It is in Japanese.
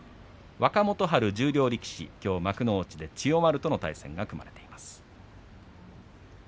若元春、十両力士きょう幕内で千代丸との対戦が組まれています。